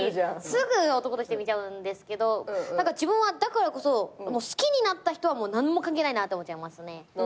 すぐ男として見ちゃうんですけど自分はだからこそ好きになった人は何も関係ないなって思っちゃいますね。